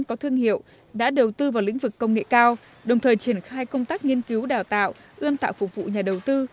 có thương hiệu đã đầu tư vào lĩnh vực công nghệ cao đồng thời triển khai công tác nghiên cứu đào tạo ươm tạo phục vụ nhà đầu tư